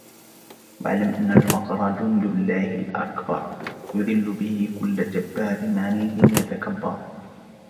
وَاعْلَمْ أَنَّ الْفَقْرَ جُنْدُ اللَّهِ الْأَكْبَرَ يُذِلُّ بِهِ كُلَّ جَبَّارٍ عَنِيدٍ يَتَكَبَّرُ